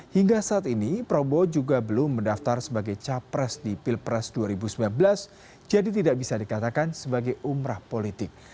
hingga saat ini prabowo juga belum mendaftar sebagai capres di pilpres dua ribu sembilan belas jadi tidak bisa dikatakan sebagai umrah politik